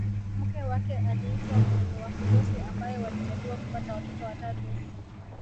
Mke wake aliitwa Mwene Wakulosi ambaye walijaliwa kupata watoto watatu